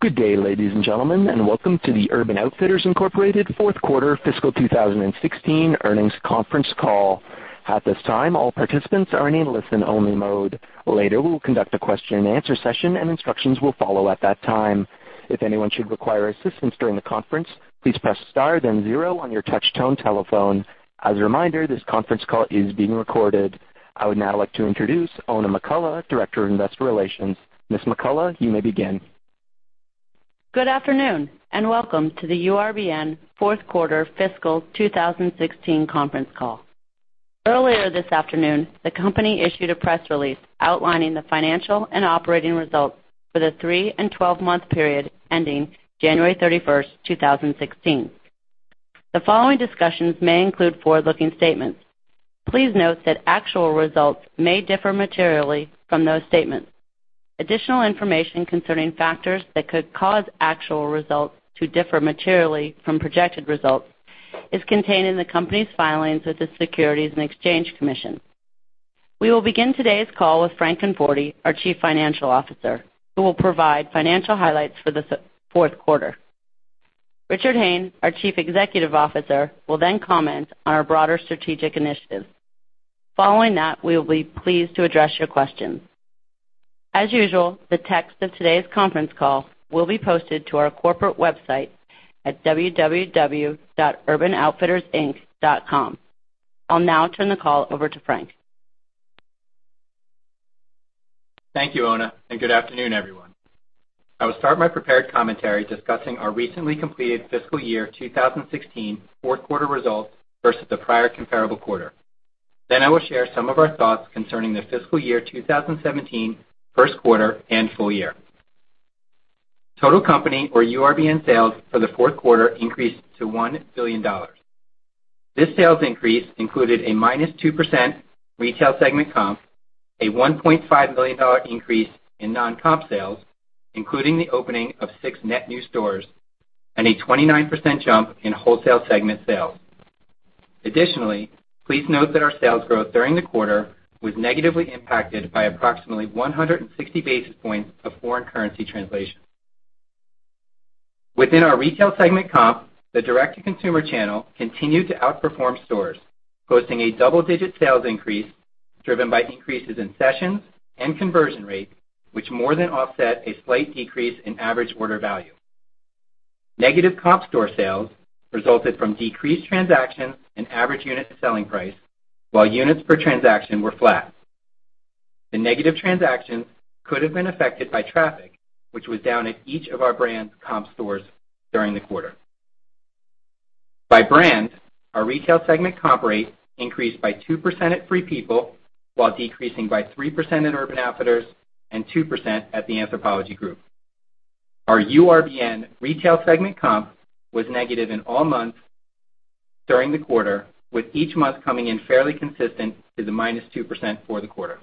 Good day, ladies and gentlemen, and welcome to the Urban Outfitters, Inc. fourth quarter fiscal 2016 earnings conference call. At this time, all participants are in listen-only mode. Later, we will conduct a question-and-answer session, instructions will follow at that time. If anyone should require assistance during the conference, please press star then zero on your touchtone telephone. As a reminder, this conference call is being recorded. I would now like to introduce Oona McCullough, Director of Investor Relations. Ms. McCullough, you may begin. Good afternoon, welcome to the URBN fourth quarter fiscal 2016 conference call. Earlier this afternoon, the company issued a press release outlining the financial and operating results for the three and 12-month period ending January 31st, 2016. The following discussions may include forward-looking statements. Please note that actual results may differ materially from those statements. Additional information concerning factors that could cause actual results to differ materially from projected results is contained in the company's filings with the Securities and Exchange Commission. We will begin today's call with Frank Conforti, our Chief Financial Officer, who will provide financial highlights for the fourth quarter. Richard Hayne, our Chief Executive Officer, will then comment on our broader strategic initiatives. Following that, we will be pleased to address your questions. As usual, the text of today's conference call will be posted to our corporate website at www.urbanoutfittersinc.com. I'll now turn the call over to Frank. Thank you, Oona, good afternoon, everyone. I will start my prepared commentary discussing our recently completed fiscal year 2016 fourth quarter results versus the prior comparable quarter. I will share some of our thoughts concerning the fiscal year 2017 first quarter and full year. Total company or URBN sales for the fourth quarter increased to $1 billion. This sales increase included a -2% retail segment comp, a $1.5 million increase in non-comp sales, including the opening of six net new stores, a 29% jump in wholesale segment sales. Additionally, please note that our sales growth during the quarter was negatively impacted by approximately 160 basis points of foreign currency translation. Within our retail segment comp, the direct-to-consumer channel continued to outperform stores, posting a double-digit sales increase driven by increases in sessions and conversion rate, which more than offset a slight decrease in average order value. Negative comp store sales resulted from decreased transactions and average unit selling price, while units per transaction were flat. The negative transactions could have been affected by traffic, which was down at each of our brand comp stores during the quarter. By brand, our retail segment comp rate increased by 2% at Free People, while decreasing by 3% in Urban Outfitters and 2% at the Anthropologie Group. Our URBN retail segment comp was negative in all months during the quarter, with each month coming in fairly consistent to the -2% for the quarter.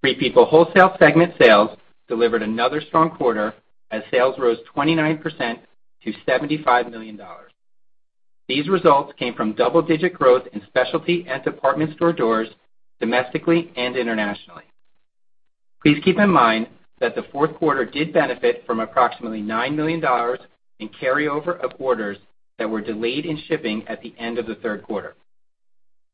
Free People wholesale segment sales delivered another strong quarter as sales rose 29% to $75 million. These results came from double-digit growth in specialty and department store doors domestically and internationally. Please keep in mind that the fourth quarter did benefit from approximately $9 million in carryover of orders that were delayed in shipping at the end of the third quarter.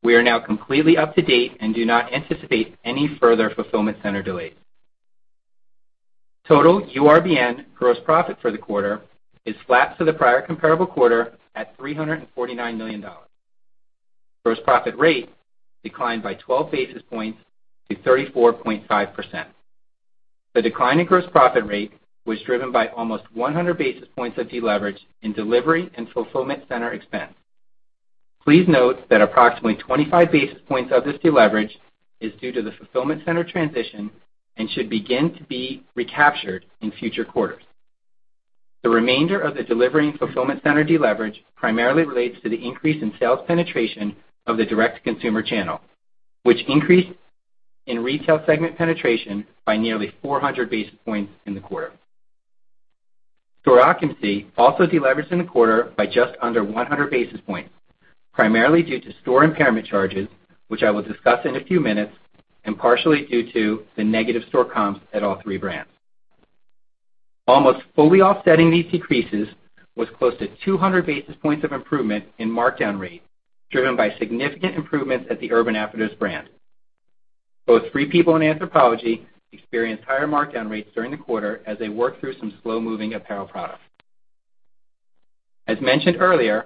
We are now completely up to date and do not anticipate any further fulfillment center delays. Total URBN gross profit for the quarter is flat to the prior comparable quarter at $349 million. Gross profit rate declined by 12 basis points to 34.5%. The decline in gross profit rate was driven by almost 100 basis points of deleverage in delivery and fulfillment center expense. Please note that approximately 25 basis points of this deleverage is due to the fulfillment center transition and should begin to be recaptured in future quarters. The remainder of the delivery and fulfillment center deleverage primarily relates to the increase in sales penetration of the direct consumer channel, which increased in retail segment penetration by nearly 400 basis points in the quarter. Store occupancy also deleveraged in the quarter by just under 100 basis points, primarily due to store impairment charges, which I will discuss in a few minutes, and partially due to the negative store comps at all three brands. Almost fully offsetting these decreases was close to 200 basis points of improvement in markdown rate, driven by significant improvements at the Urban Outfitters brand. Both Free People and Anthropologie experienced higher markdown rates during the quarter as they worked through some slow-moving apparel products. As mentioned earlier,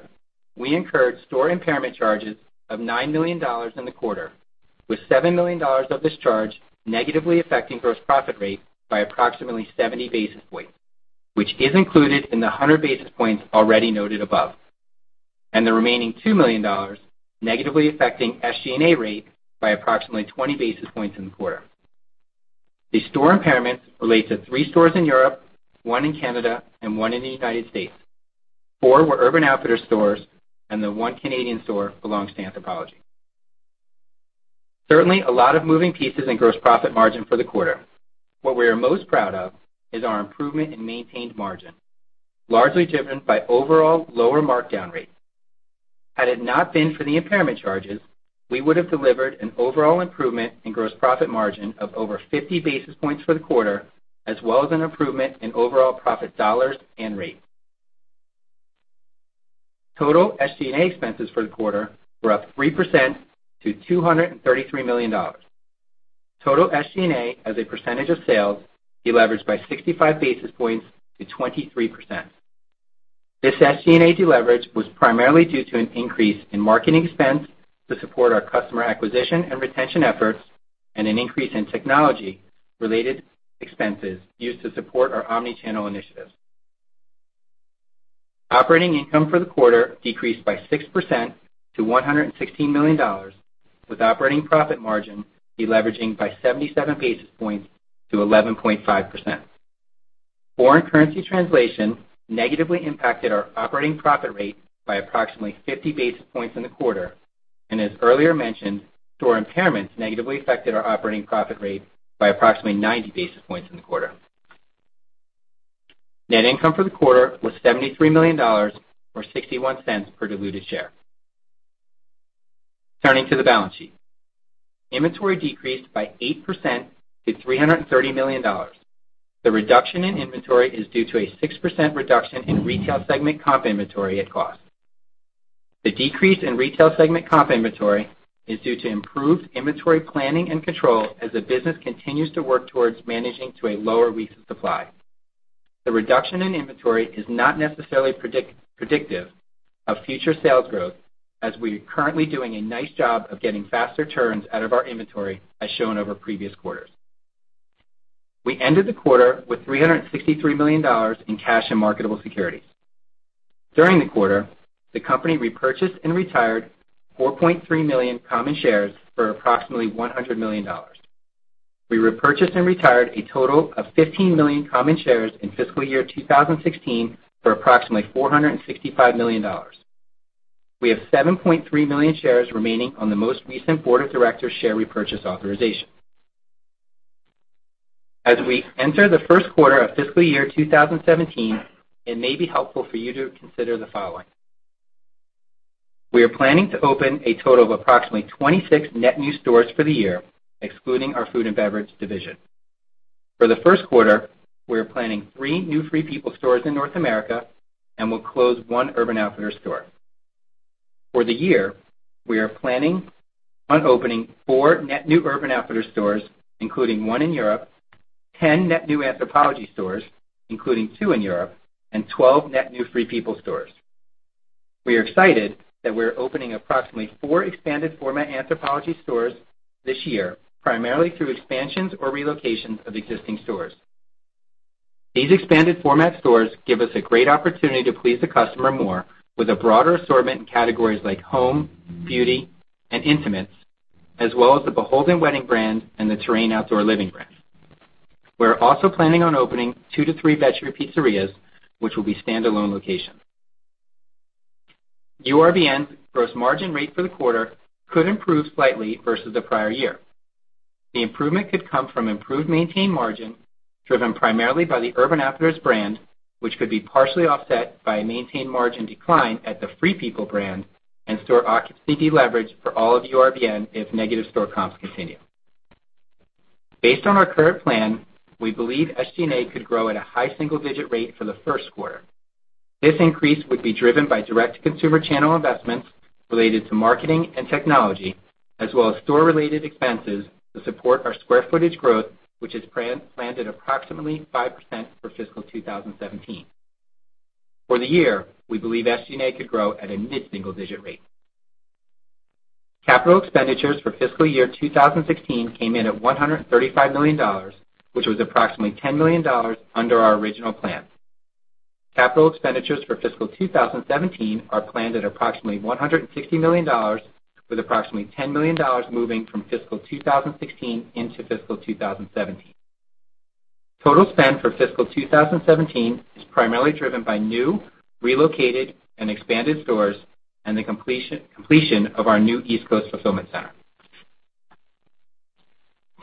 I incurred store impairment charges of $9 million in the quarter, with $7 million of this charge negatively affecting gross profit rate by approximately 70 basis points, which is included in the 100 basis points already noted above, and the remaining $2 million negatively affecting SG&A rate by approximately 20 basis points in the quarter. The store impairment relates to three stores in Europe, one in Canada, and one in the U.S. Four were Urban Outfitters stores, and the one Canadian store belongs to Anthropologie. Certainly, a lot of moving pieces in gross profit margin for the quarter. What we are most proud of is our improvement in maintained margin, largely driven by overall lower markdown rate. Had it not been for the impairment charges, we would have delivered an overall improvement in gross profit margin of over 50 basis points for the quarter, as well as an improvement in overall profit dollars and rate. Total SG&A expenses for the quarter were up 3% to $233 million. Total SG&A as a percentage of sales deleveraged by 65 basis points to 23%. This SG&A deleverage was primarily due to an increase in marketing expense to support our customer acquisition and retention efforts, and an increase in technology-related expenses used to support our omni-channel initiatives. Operating income for the quarter decreased by 6% to $116 million, with operating profit margin deleveraging by 77 basis points to 11.5%. Foreign currency translation negatively impacted our operating profit rate by approximately 50 basis points in the quarter, and as earlier mentioned, store impairments negatively affected our operating profit rate by approximately 90 basis points in the quarter. Net income for the quarter was $73 million, or $0.61 per diluted share. Turning to the balance sheet. Inventory decreased by 8% to $330 million. The reduction in inventory is due to a 6% reduction in retail segment comp inventory at cost. The decrease in retail segment comp inventory is due to improved inventory planning and control as the business continues to work towards managing to a lower week's supply. The reduction in inventory is not necessarily predictive of future sales growth, as we are currently doing a nice job of getting faster turns out of our inventory, as shown over previous quarters. We ended the quarter with $363 million in cash and marketable securities. During the quarter, the company repurchased and retired 4.3 million common shares for approximately $100 million. We repurchased and retired a total of 15 million common shares in fiscal year 2016 for approximately $465 million. We have 7.3 million shares remaining on the most recent board of directors share repurchase authorization. As we enter the first quarter of fiscal year 2017, it may be helpful for you to consider the following. We are planning to open a total of approximately 26 net new stores for the year, excluding our food and beverage division. For the first quarter, we are planning three new Free People stores in North America and will close one Urban Outfitters store. For the year, we are planning on opening four net new Urban Outfitters stores, including one in Europe, 10 net new Anthropologie stores, including two in Europe, and 12 net new Free People stores. We are excited that we're opening approximately four expanded format Anthropologie stores this year, primarily through expansions or relocations of existing stores. These expanded format stores give us a great opportunity to please the customer more with a broader assortment in categories like home, beauty, and intimates, as well as the BHLDN wedding brand and the Terrain outdoor living brand. We're also planning on opening two to three Pizzeria Vetri pizzerias, which will be standalone locations. URBN's gross margin rate for the quarter could improve slightly versus the prior year. The improvement could come from improved maintained margin driven primarily by the Urban Outfitters brand, which could be partially offset by a maintained margin decline at the Free People brand and store occupancy leverage for all of URBN if negative store comps continue. Based on our current plan, we believe SG&A could grow at a high single-digit rate for the first quarter. This increase would be driven by direct-to-consumer channel investments related to marketing and technology, as well as store-related expenses to support our square footage growth, which is planned at approximately 5% for fiscal 2017. For the year, we believe SG&A could grow at a mid-single digit rate. Capital expenditures for fiscal year 2016 came in at $135 million, which was approximately $10 million under our original plan. Capital expenditures for fiscal 2017 are planned at approximately $160 million, with approximately $10 million moving from fiscal 2016 into fiscal 2017. Total spend for fiscal 2017 is primarily driven by new, relocated, and expanded stores and the completion of our new East Coast fulfillment center.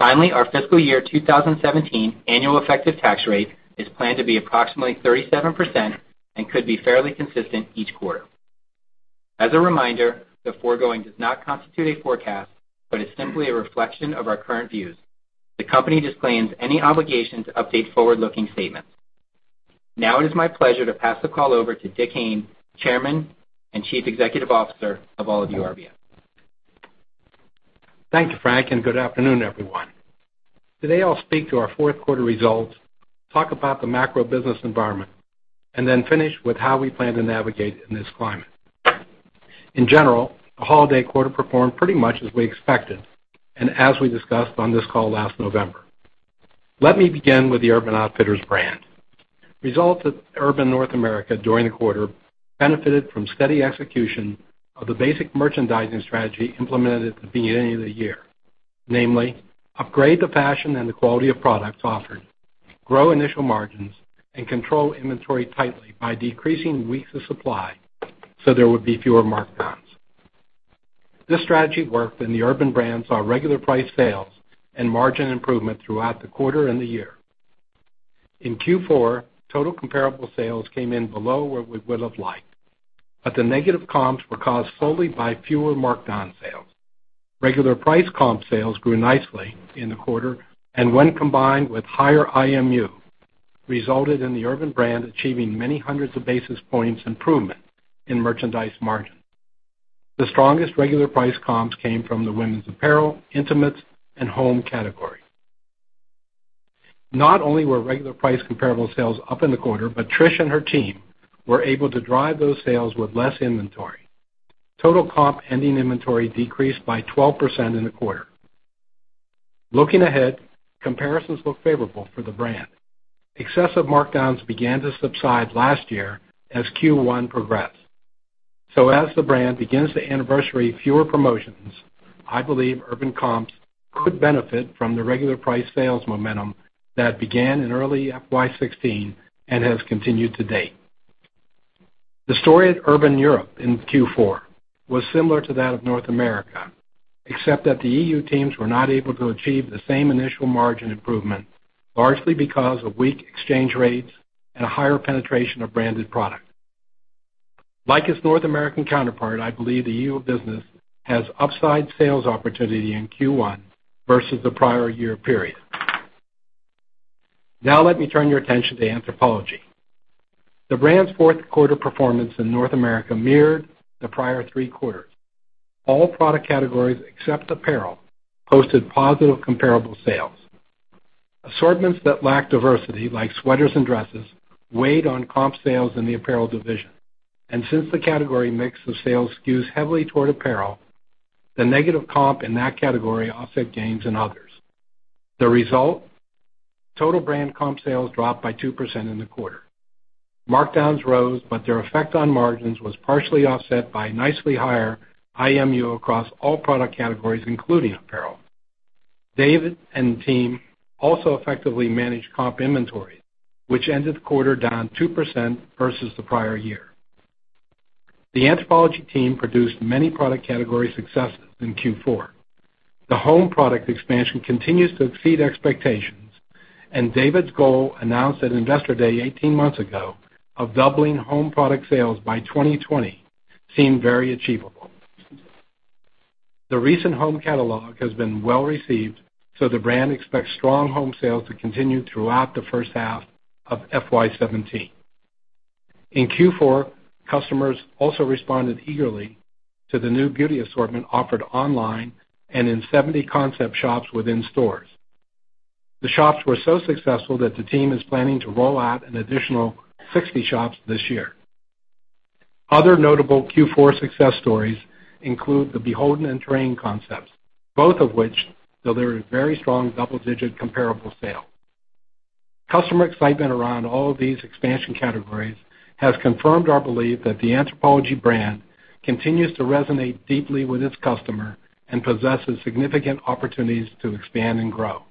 Our fiscal year 2017 annual effective tax rate is planned to be approximately 37% and could be fairly consistent each quarter. As a reminder, the foregoing does not constitute a forecast, but is simply a reflection of our current views. The company disclaims any obligation to update forward-looking statements. Now it is my pleasure to pass the call over to Dick Hayne, Chairman and Chief Executive Officer of URBN. Thank you, Frank, and good afternoon, everyone. Today, I'll speak to our fourth quarter results, talk about the macro business environment, then finish with how we plan to navigate in this climate. In general, the holiday quarter performed pretty much as we expected and as we discussed on this call last November. Let me begin with the Urban Outfitters brand. Results at Urban North America during the quarter benefited from steady execution of the basic merchandising strategy implemented at the beginning of the year. Namely, upgrade the fashion and the quality of products offered, grow initial margins, and control inventory tightly by decreasing weeks of supply so there would be fewer markdowns. This strategy worked, and the Urban brand saw regular price sales and margin improvement throughout the quarter and the year. In Q4, total comparable sales came in below where we would have liked, the negative comps were caused solely by fewer markdown sales. Regular price comp sales grew nicely in the quarter, when combined with higher IMU, resulted in the Urban brand achieving many hundreds of basis points improvement in merchandise margin. The strongest regular price comps came from the women's apparel, intimates, and home category. Not only were regular price comparable sales up in the quarter, Trish and her team were able to drive those sales with less inventory. Total comp ending inventory decreased by 12% in the quarter. Looking ahead, comparisons look favorable for the brand. Excessive markdowns began to subside last year as Q1 progressed. As the brand begins to anniversary fewer promotions, I believe Urban comps could benefit from the regular price sales momentum that began in early FY 2016 and has continued to date. The story at Urban Europe in Q4 was similar to that of North America, except that the EU teams were not able to achieve the same initial margin improvement, largely because of weak exchange rates and a higher penetration of branded product. Like its North American counterpart, I believe the EU business has upside sales opportunity in Q1 versus the prior year period. Let me turn your attention to Anthropologie. The brand's fourth-quarter performance in North America mirrored the prior three quarters. All product categories except apparel posted positive comparable sales. Assortments that lack diversity, like sweaters and dresses, weighed on comp sales in the apparel division. Since the category mix of sales skews heavily toward apparel, the negative comp in that category offset gains in others. The result, total brand comp sales dropped by 2% in the quarter. Markdowns rose, but their effect on margins was partially offset by nicely higher IMU across all product categories, including apparel. David and the team also effectively managed comp inventory, which ended the quarter down 2% versus the prior year. The Anthropologie team produced many product category successes in Q4. The home product expansion continues to exceed expectations, and David's goal, announced at Investor Day 18 months ago, of doubling home product sales by 2020 seemed very achievable. The recent home catalog has been well-received, the brand expects strong home sales to continue throughout the first half of FY 2017. In Q4, customers also responded eagerly to the new beauty assortment offered online and in 70 concept shops within stores. The shops were so successful that the team is planning to roll out an additional 60 shops this year. Other notable Q4 success stories include the BHLDN and Terrain concepts, both of which delivered very strong double-digit comparable sales. Customer excitement around all of these expansion categories has confirmed our belief that the Anthropologie brand continues to resonate deeply with its customer and possesses significant opportunities to expand and grow.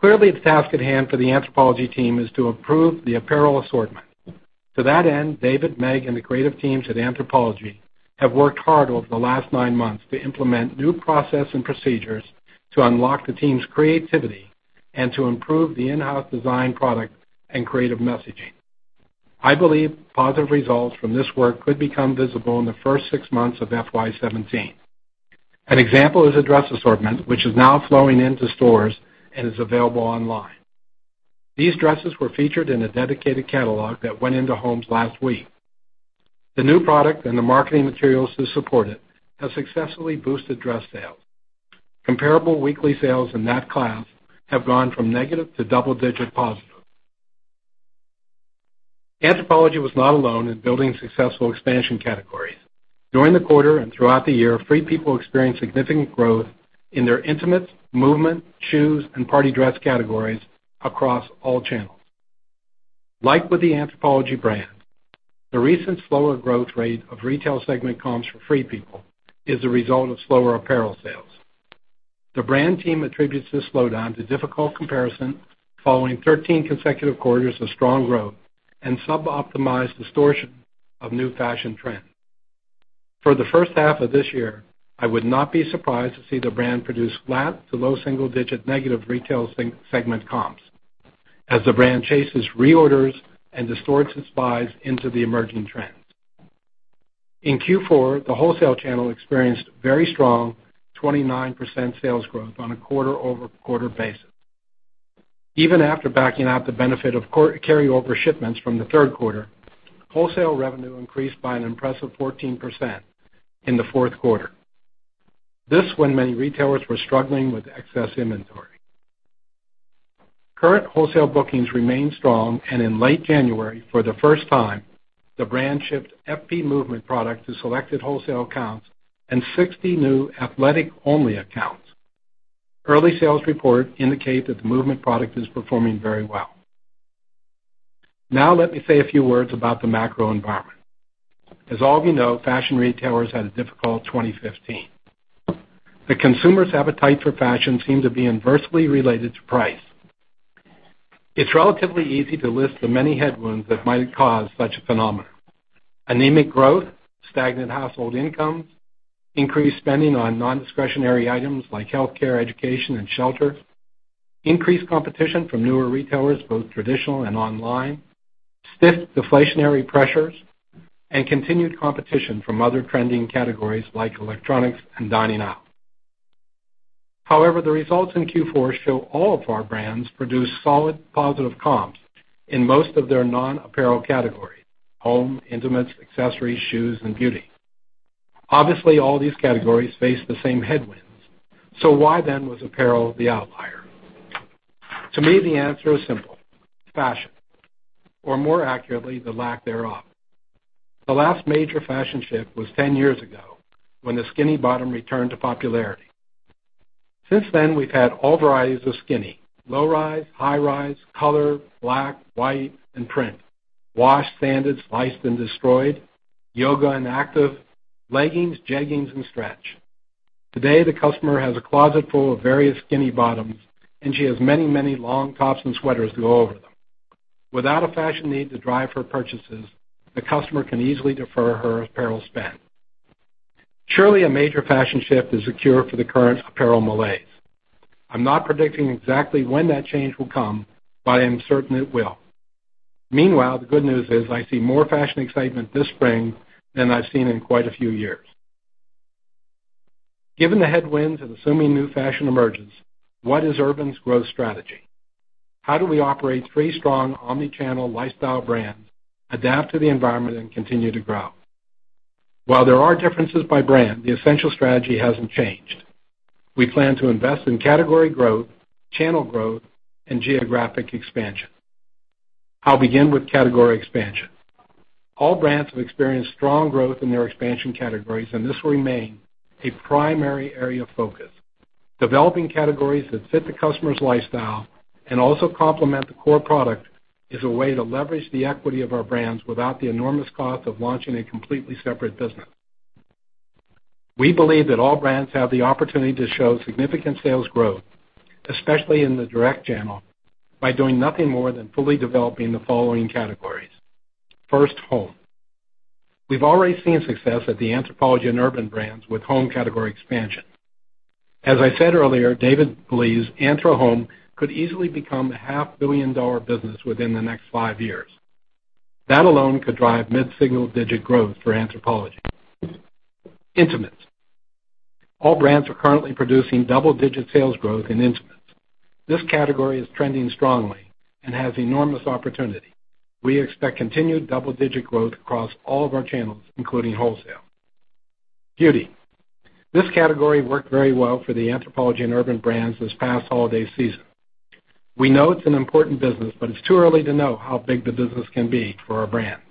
Clearly, the task at hand for the Anthropologie team is to improve the apparel assortment. To that end, David, Meg, and the creative teams at Anthropologie have worked hard over the last nine months to implement new process and procedures to unlock the team's creativity and to improve the in-house design product and creative messaging. I believe positive results from this work could become visible in the first six months of FY 2017. An example is a dress assortment, which is now flowing into stores and is available online. These dresses were featured in a dedicated catalog that went into homes last week. The new product and the marketing materials to support it have successfully boosted dress sales. Comparable weekly sales in that class have gone from negative to double-digit positive. Anthropologie was not alone in building successful expansion categories. During the quarter and throughout the year, Free People experienced significant growth in their intimates, Movement, shoes, and party dress categories across all channels. Like with the Anthropologie brand, the recent slower growth rate of retail segment comps for Free People is a result of slower apparel sales. The brand team attributes this slowdown to difficult comparison following 13 consecutive quarters of strong growth and sub-optimized distortion of new fashion trends. For the first half of this year, I would not be surprised to see the brand produce flat to low single-digit negative retail segment comps as the brand chases reorders and distorts its buys into the emerging trends. In Q4, the wholesale channel experienced very strong 29% sales growth on a quarter-over-quarter basis. Even after backing out the benefit of carryover shipments from the third quarter, wholesale revenue increased by an impressive 14% in the fourth quarter. This when many retailers were struggling with excess inventory. Current wholesale bookings remain strong, and in late January, for the first time, the brand shipped FP Movement product to selected wholesale accounts and 60 new athletic-only accounts. Early sales reports indicate that the movement product is performing very well. Now let me say a few words about the macro environment. As all of you know, fashion retailers had a difficult 2015. The consumer's appetite for fashion seemed to be inversely related to price. It's relatively easy to list the many headwinds that might cause such a phenomenon. Anemic growth, stagnant household incomes, increased spending on non-discretionary items like healthcare, education, and shelter, increased competition from newer retailers, both traditional and online, stiff deflationary pressures, and continued competition from other trending categories like electronics and dining out. However, the results in Q4 show all of our brands produced solid positive comps in most of their non-apparel categories: home, intimates, accessories, shoes, and beauty. Obviously, all these categories face the same headwinds, why then was apparel the outlier? To me, the answer is simple: fashion, or more accurately, the lack thereof. The last major fashion shift was 10 years ago when the skinny bottom returned to popularity. Since then, we've had all varieties of skinny, low rise, high rise, color, black, white, and print, washed, sanded, sliced, and destroyed, yoga and active, leggings, jeggings, and stretch. Today, the customer has a closet full of various skinny bottoms, and she has many long tops and sweaters to go over them. Without a fashion need to drive her purchases, the customer can easily defer her apparel spend. Surely, a major fashion shift is a cure for the current apparel malaise. I'm not predicting exactly when that change will come, but I am certain it will. Meanwhile, the good news is I see more fashion excitement this spring than I've seen in quite a few years. Given the headwinds and assuming new fashion emerges, what is Urban's growth strategy? How do we operate three strong omni-channel lifestyle brands, adapt to the environment, and continue to grow? While there are differences by brand, the essential strategy hasn't changed. We plan to invest in category growth, channel growth, and geographic expansion. I'll begin with category expansion. All brands have experienced strong growth in their expansion categories, and this will remain a primary area of focus. Developing categories that fit the customer's lifestyle and also complement the core product is a way to leverage the equity of our brands without the enormous cost of launching a completely separate business. We believe that all brands have the opportunity to show significant sales growth, especially in the direct channel, by doing nothing more than fully developing the following categories. First, home. We've already seen success at the Anthropologie and Urban brands with home category expansion. As I said earlier, David believes AnthroHome could easily become a half-billion-dollar business within the next five years. That alone could drive mid-single-digit growth for Anthropologie. Intimates. All brands are currently producing double-digit sales growth in intimates. This category is trending strongly and has enormous opportunity. We expect continued double-digit growth across all of our channels, including wholesale. Beauty. This category worked very well for the Anthropologie and Urban brands this past holiday season. We know it's an important business, but it's too early to know how big the business can be for our brands.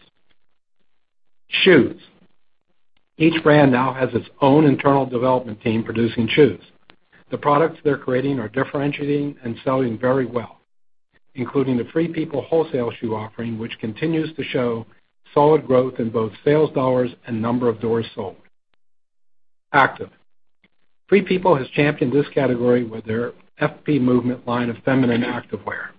Shoes. Each brand now has its own internal development team producing shoes. The products they're creating are differentiating and selling very well, including the Free People wholesale shoe offering, which continues to show solid growth in both sales dollars and number of doors sold. Active. Free People has championed this category with their FP Movement line of feminine activewear.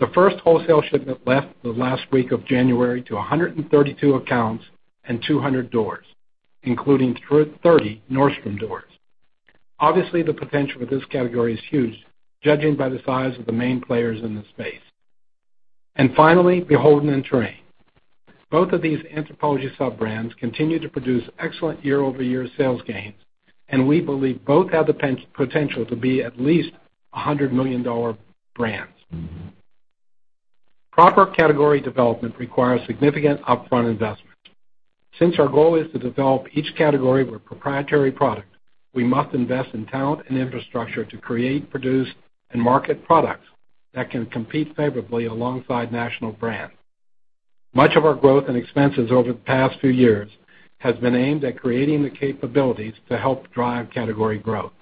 The first wholesale shipment left the last week of January to 132 accounts and 200 doors, including 30 Nordstrom doors. Obviously, the potential for this category is huge, judging by the size of the main players in the space. Finally, BHLDN and Terrain. Both of these Anthropologie sub-brands continue to produce excellent year-over-year sales gains, and we believe both have the potential to be at least $100 million brands. Proper category development requires significant upfront investment. Since our goal is to develop each category with a proprietary product, we must invest in talent and infrastructure to create, produce, and market products that can compete favorably alongside national brands. Much of our growth and expenses over the past few years has been aimed at creating the capabilities to help drive category growth.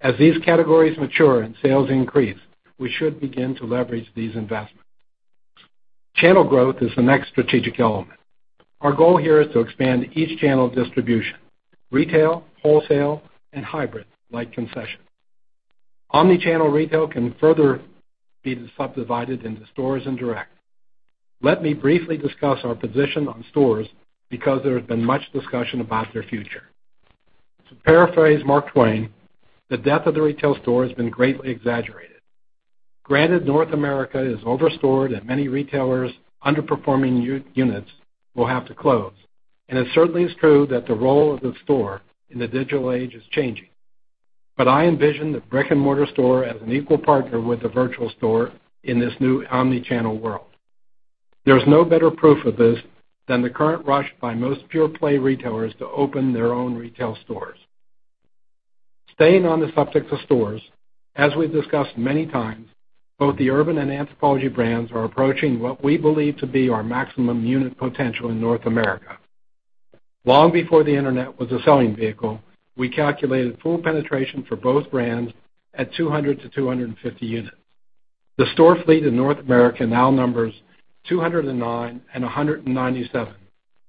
As these categories mature and sales increase, we should begin to leverage these investments. Channel growth is the next strategic element. Our goal here is to expand each channel of distribution: retail, wholesale, and hybrid, like concession. Omni-channel retail can further be subdivided into stores and direct. Let me briefly discuss our position on stores because there has been much discussion about their future. To paraphrase Mark Twain, the death of the retail store has been greatly exaggerated. Granted, North America is over-stored and many retailers' underperforming units will have to close. It certainly is true that the role of the store in the digital age is changing. I envision the brick-and-mortar store as an equal partner with the virtual store in this new omni-channel world. There's no better proof of this than the current rush by most pure-play retailers to open their own retail stores. Staying on the subject of stores, as we've discussed many times, both the Urban and Anthropologie brands are approaching what we believe to be our maximum unit potential in North America. Long before the internet was a selling vehicle, we calculated full penetration for both brands at 200 to 250 units. The store fleet in North America now numbers 209 and 197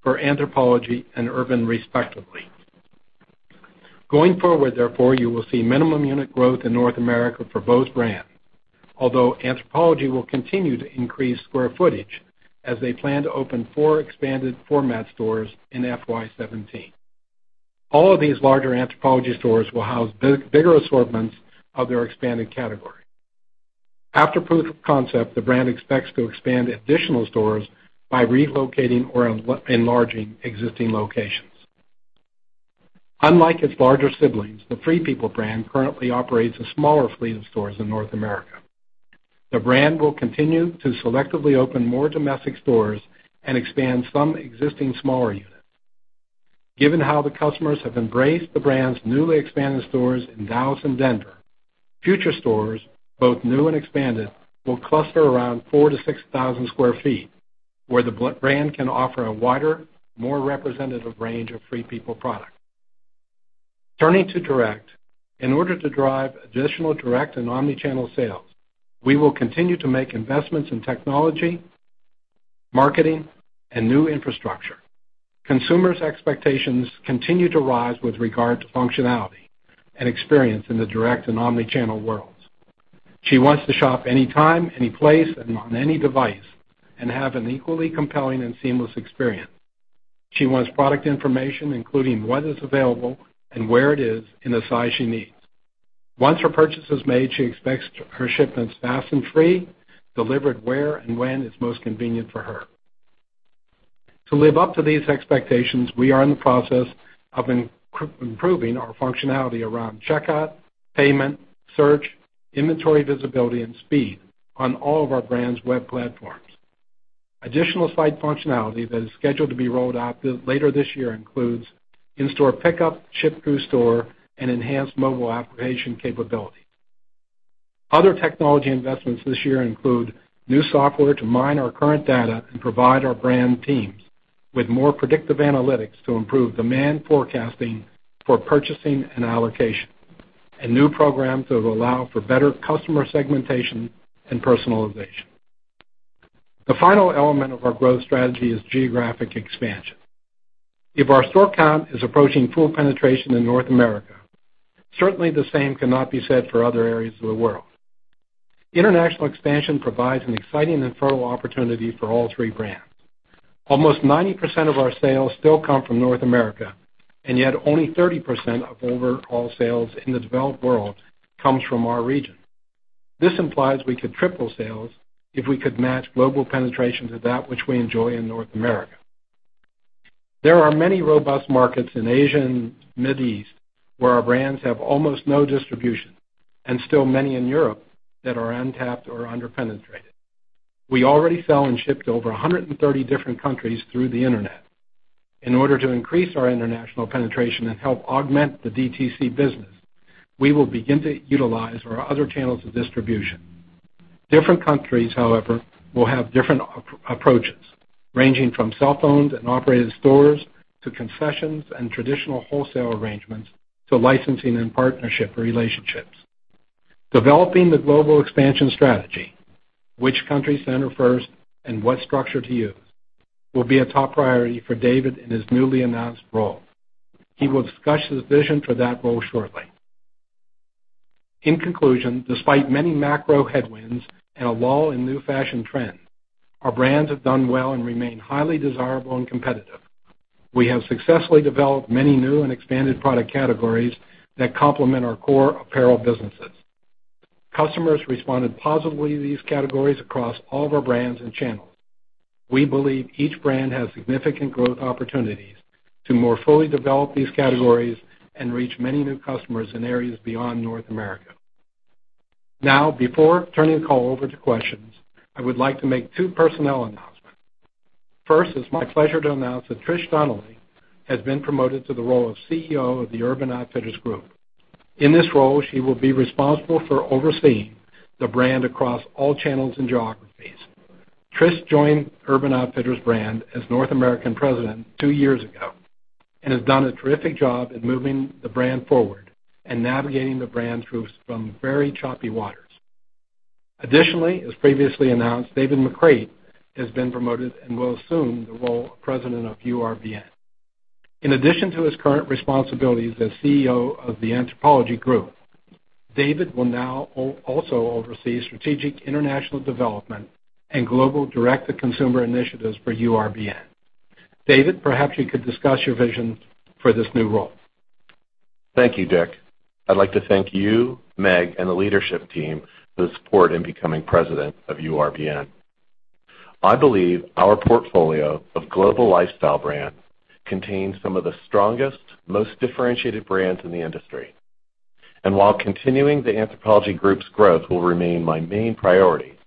for Anthropologie and Urban, respectively. Going forward, therefore, you will see minimum unit growth in North America for both brands. Although Anthropologie will continue to increase square footage as they plan to open four expanded format stores in FY 2017. All of these larger Anthropologie stores will house bigger assortments of their expanded category. After proof of concept, the brand expects to expand additional stores by relocating or enlarging existing locations. Unlike its larger siblings, the Free People brand currently operates a smaller fleet of stores in North America. The brand will continue to selectively open more domestic stores and expand some existing smaller units. Given how the customers have embraced the brand's newly expanded stores in Dallas and Denver, future stores, both new and expanded, will cluster around 4,000 to 6,000 sq ft, where the brand can offer a wider, more representative range of Free People products. Turning to direct. In order to drive additional direct and omni-channel sales, we will continue to make investments in technology, marketing, and new infrastructure. Consumers' expectations continue to rise with regard to functionality and experience in the direct and omni-channel worlds. She wants to shop anytime, any place, and on any device and have an equally compelling and seamless experience. She wants product information, including what is available and where it is in the size she needs. Once her purchase is made, she expects her shipments fast and free, delivered where and when it's most convenient for her. To live up to these expectations, we are in the process of improving our functionality around checkout, payment, search, inventory visibility, and speed on all of our brands' web platforms. Additional site functionality that is scheduled to be rolled out later this year includes in-store pickup, ship to store, and enhanced mobile application capability. Other technology investments this year include new software to mine our current data and provide our brand teams with more predictive analytics to improve demand forecasting for purchasing and allocation, and new programs that will allow for better customer segmentation and personalization. The final element of our growth strategy is geographic expansion. If our store count is approaching full penetration in North America, certainly the same cannot be said for other areas of the world. International expansion provides an exciting and fertile opportunity for all three brands. Almost 90% of our sales still come from North America, yet only 30% of overall sales in the developed world comes from our region. This implies we could triple sales if we could match global penetration to that which we enjoy in North America. There are many robust markets in Asia and the Middle East where our brands have almost no distribution, still many in Europe that are untapped or under-penetrated. We already sell and ship to over 130 different countries through the internet. In order to increase our international penetration and help augment the DTC business, we will begin to utilize our other channels of distribution. Different countries, however, will have different approaches, ranging from self-owned and operated stores to concessions and traditional wholesale arrangements, to licensing and partnership relationships. Developing the global expansion strategy, which countries enter first, and what structure to use will be a top priority for David in his newly announced role. He will discuss his vision for that role shortly. In conclusion, despite many macro headwinds and a lull in new fashion trends, our brands have done well and remain highly desirable and competitive. We have successfully developed many new and expanded product categories that complement our core apparel businesses. Customers responded positively to these categories across all of our brands and channels. We believe each brand has significant growth opportunities to more fully develop these categories and reach many new customers in areas beyond North America. Before turning the call over to questions, I would like to make two personnel announcements. First, it's my pleasure to announce that Trish Donnelly has been promoted to the role of CEO of the Urban Outfitters Group. In this role, she will be responsible for overseeing the brand across all channels and geographies. Trish joined Urban Outfitters brand as North American president two years ago and has done a terrific job at moving the brand forward and navigating the brand through some very choppy waters. Additionally, as previously announced, David McCreight has been promoted and will assume the role of President of URBN. In addition to his current responsibilities as CEO of the Anthropologie Group, David will now also oversee strategic international development and global direct-to-consumer initiatives for URBN. David, perhaps you could discuss your vision for this new role. Thank you, Dick. I'd like to thank you, Meg, and the leadership team for the support in becoming president of URBN. I believe our portfolio of global lifestyle brands contains some of the strongest, most differentiated brands in the industry. While continuing the Anthropologie Group's growth will remain my main priority,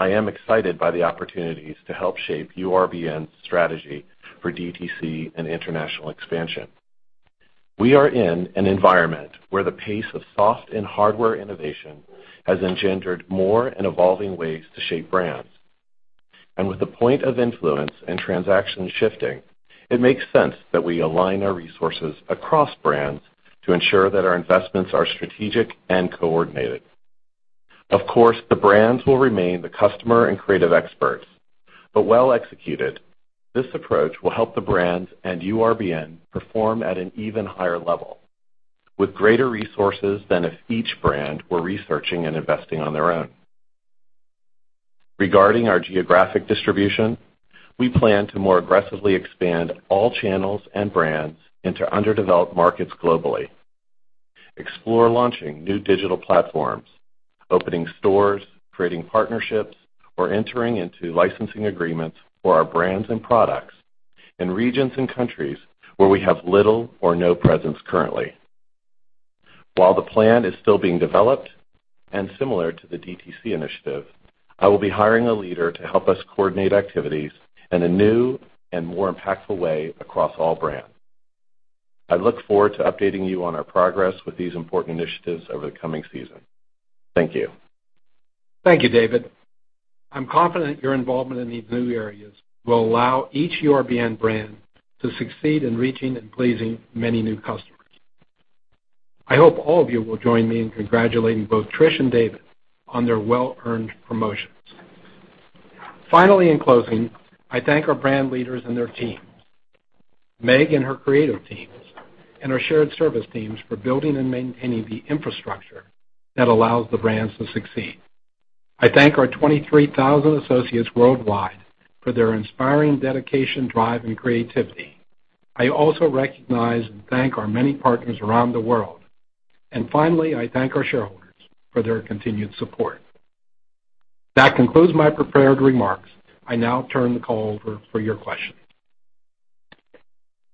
I am excited by the opportunities to help shape URBN's strategy for DTC and international expansion. We are in an environment where the pace of soft and hardware innovation has engendered more and evolving ways to shape brands. With the point of influence and transaction shifting, it makes sense that we align our resources across brands to ensure that our investments are strategic and coordinated. Of course, the brands will remain the customer and creative experts. Well executed, this approach will help the brands and URBN perform at an even higher level with greater resources than if each brand were researching and investing on their own. Regarding our geographic distribution, we plan to more aggressively expand all channels and brands into underdeveloped markets globally, explore launching new digital platforms, opening stores, creating partnerships, or entering into licensing agreements for our brands and products in regions and countries where we have little or no presence currently. The plan is still being developed, and similar to the DTC initiative, I will be hiring a leader to help us coordinate activities in a new and more impactful way across all brands. I look forward to updating you on our progress with these important initiatives over the coming season. Thank you. Thank you, David. I'm confident your involvement in these new areas will allow each URBN brand to succeed in reaching and pleasing many new customers. I hope all of you will join me in congratulating both Trish and David on their well-earned promotions. In closing, I thank our brand leaders and their teams, Meg and her creative teams, and our shared service teams for building and maintaining the infrastructure that allows the brands to succeed. I thank our 23,000 associates worldwide for their inspiring dedication, drive, and creativity. I also recognize and thank our many partners around the world. Finally, I thank our shareholders for their continued support. That concludes my prepared remarks. I now turn the call over for your questions.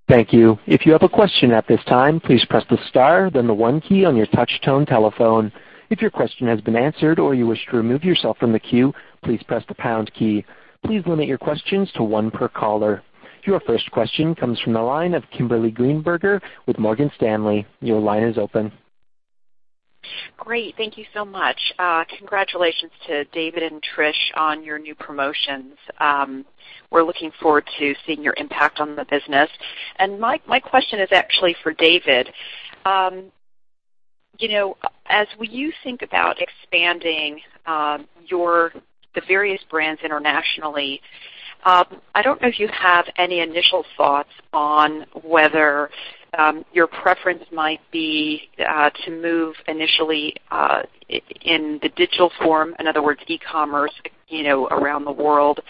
Thank you. If you have a question at this time, please press the star, then the 1 key on your touch tone telephone. If your question has been answered or you wish to remove yourself from the queue, please press the pound key. Please limit your questions to 1 per caller. Your first question comes from the line of Kimberly Greenberger with Morgan Stanley. Your line is open. Great. Thank you so much. Congratulations to David and Trish on your new promotions. We're looking forward to seeing your impact on the business. My question is actually for David. As you think about expanding the various brands internationally, I don't know if you have any initial thoughts on whether your preference might be to move initially in the digital form, in other words, e-commerce, around the world,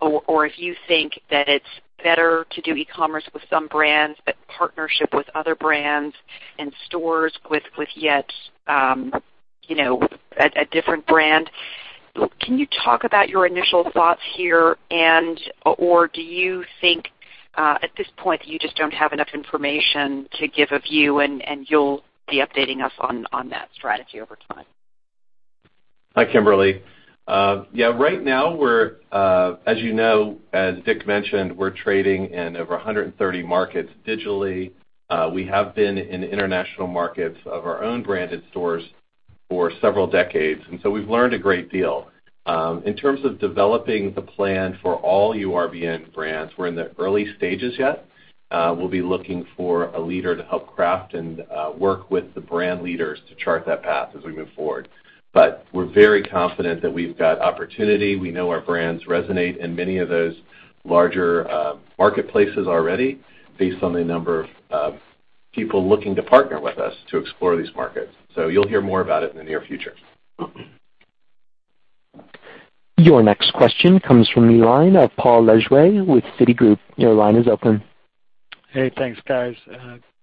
or if you think that it's better to do e-commerce with some brands, but partnership with other brands and stores with yet a different brand. Can you talk about your initial thoughts here? Or do you think, at this point, that you just don't have enough information to give a view, and you'll be updating us on that strategy over time? Hi, Kimberly. Yeah. Right now, as Dick mentioned, we're trading in over 130 markets digitally. We have been in international markets of our own branded stores for several decades, we've learned a great deal. In terms of developing the plan for all URBN brands, we're in the early stages yet. We'll be looking for a leader to help craft and work with the brand leaders to chart that path as we move forward. We're very confident that we've got opportunity. We know our brands resonate in many of those larger marketplaces already based on the number of people looking to partner with us to explore these markets. You'll hear more about it in the near future. Your next question comes from the line of Paul Lejuez with Citigroup. Your line is open. Hey, thanks, guys.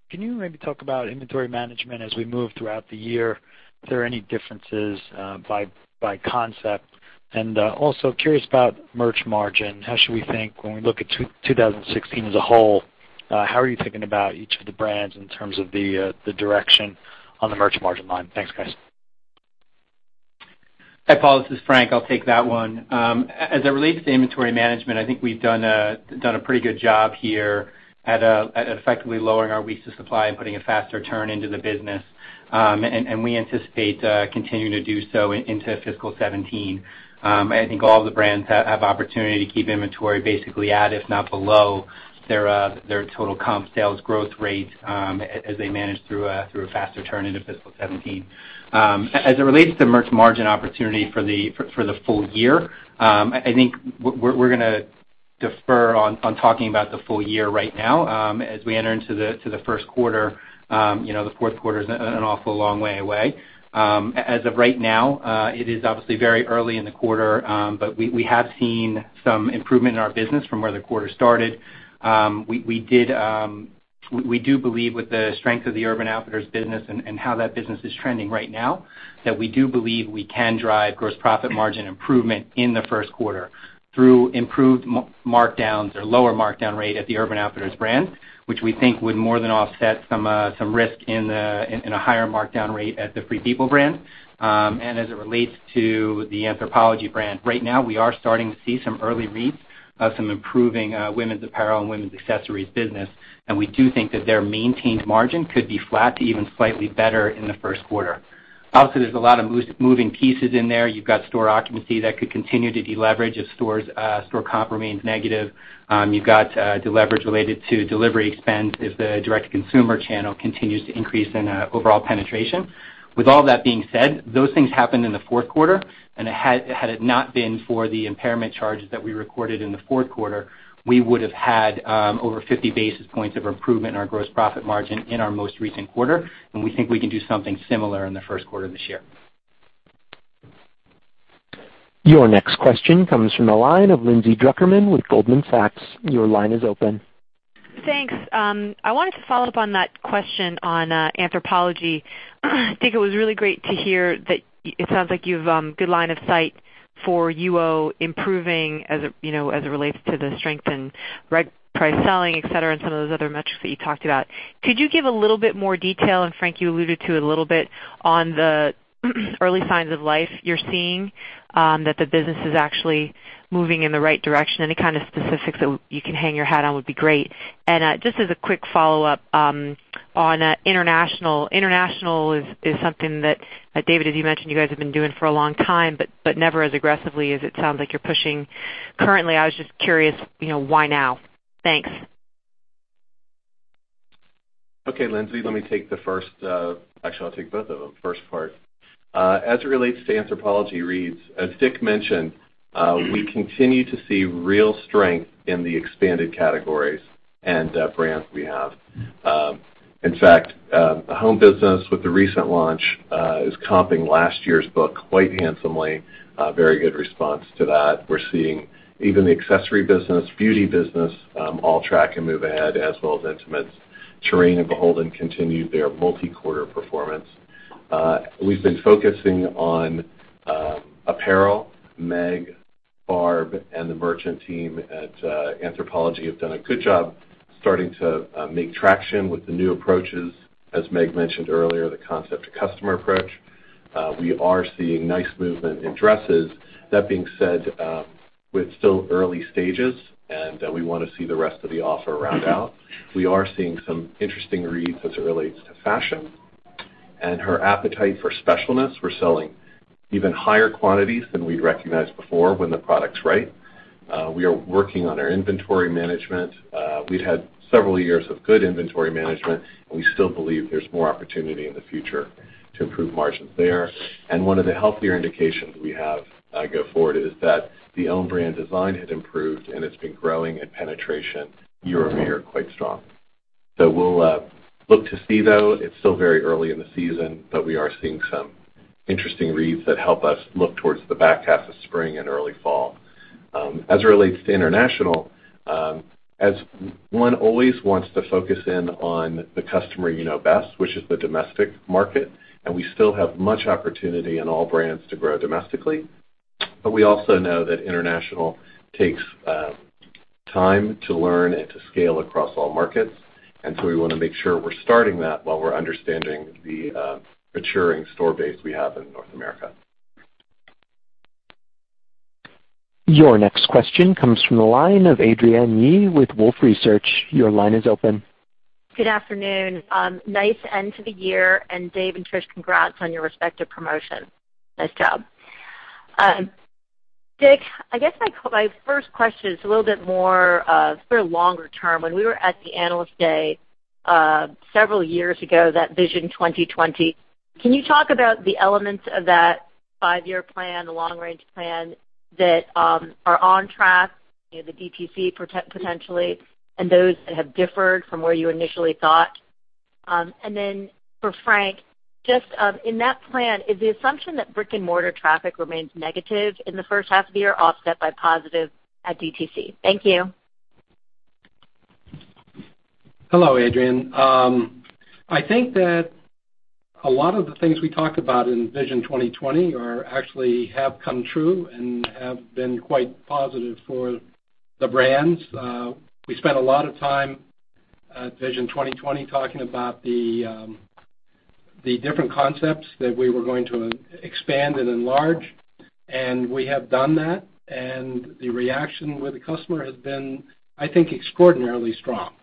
Can you maybe talk about inventory management as we move throughout the year? Are there any differences by concept? Also, curious about merch margin. How should we think when we look at 2016 as a whole, how are you thinking about each of the brands in terms of the direction on the merch margin line? Thanks, guys. Hi, Paul, this is Frank. I'll take that one. As it relates to inventory management, I think we've done a pretty good job here at effectively lowering our weeks of supply and putting a faster turn into the business. We anticipate continuing to do so into fiscal 2017. I think all the brands have opportunity to keep inventory basically at, if not below, their total comp sales growth rate as they manage through a faster turn into fiscal 2017. As it relates to merch margin opportunity for the full year, I think we're going to defer on talking about the full year right now. As we enter into the first quarter, the fourth quarter's an awful long way away. As of right now, it is obviously very early in the quarter, but we have seen some improvement in our business from where the quarter started. We do believe with the strength of the Urban Outfitters business and how that business is trending right now, that we do believe we can drive gross profit margin improvement in the first quarter through improved markdowns or lower markdown rate at the Urban Outfitters brand, which we think would more than offset some risk in a higher markdown rate at the Free People brand. As it relates to the Anthropologie brand, right now, we are starting to see some early reads of some improving women's apparel and women's accessories business, and we do think that their maintained margin could be flat to even slightly better in the first quarter. Also, there's a lot of moving pieces in there. You've got store occupancy that could continue to deleverage if store comp remains negative. You've got deleverage related to delivery expense if the direct-to-consumer channel continues to increase in overall penetration. With all that being said, those things happened in the fourth quarter. Had it not been for the impairment charges that we recorded in the fourth quarter, we would've had over 50 basis points of improvement in our gross profit margin in our most recent quarter, and we think we can do something similar in the first quarter of this year. Your next question comes from the line of Lindsay Drucker Mann with Goldman Sachs. Your line is open. Thanks. I wanted to follow up on that question on Anthropologie. I think it was really great to hear that it sounds like you've good line of sight for UO improving as it relates to the strength in price selling, et cetera, and some of those other metrics that you talked about. Could you give a little bit more detail, Frank, you alluded to it a little bit, on the early signs of life you're seeing that the business is actually moving in the right direction? Any kind of specifics that you can hang your hat on would be great. Just as a quick follow-up on international. International is something that, David, as you mentioned, you guys have been doing for a long time, but never as aggressively as it sounds like you're pushing currently. I was just curious why now? Thanks. Okay, Lindsay, let me take the first. Actually, I'll take both of them. First part. As it relates to Anthropologie reads, as Dick mentioned, we continue to see real strength in the expanded categories and brands we have. In fact, the home business with the recent launch is comping last year's book quite handsomely. Very good response to that. We're seeing even the accessory business, beauty business, all track and move ahead, as well as intimates. Terrain and BHLDN continue their multi-quarter performance. We've been focusing on apparel. Meg, Barb, and the merchant team at Anthropologie have done a good job starting to make traction with the new approaches. As Meg mentioned earlier, the concept-to-customer approach. We are seeing nice movement in dresses. That being said, we're at still early stages, and we want to see the rest of the offer round out. We are seeing some interesting reads as it relates to fashion and her appetite for specialness. We're selling even higher quantities than we'd recognized before when the product's right. We are working on our inventory management. We've had several years of good inventory management, and we still believe there's more opportunity in the future to improve margins there. One of the healthier indications we have as I go forward is that the own brand design had improved, and it's been growing in penetration year-over-year quite strong. We'll look to see, though. It's still very early in the season, but we are seeing some interesting reads that help us look towards the back half of spring and early fall. As it relates to international, as one always wants to focus in on the customer you know best, which is the domestic market, we still have much opportunity in all brands to grow domestically. We also know that international takes time to learn and to scale across all markets. We want to make sure we're starting that while we're understanding the maturing store base we have in North America. Your next question comes from the line of Adrienne Yih with Wolfe Research. Your line is open. Good afternoon. Nice end to the year, Dave and Trish, congrats on your respective promotion. Nice job. Dick, I guess my first question is a little bit more of sort of longer term. When we were at the Analyst Day several years ago, that Vision 2020, can you talk about the elements of that five-year plan, the long-range plan that are on track, the DTC potentially, those that have differed from where you initially thought? For Frank, just in that plan, is the assumption that brick-and-mortar traffic remains negative in the first half of the year, offset by positive at DTC? Thank you. Hello, Adrienne. I think that a lot of the things we talked about in Vision 2020 are actually have come true and have been quite positive for the brands. We spent a lot of time at Vision 2020 talking about the different concepts that we were going to expand and enlarge, and we have done that, and the reaction with the customer has been, I think, extraordinarily strong.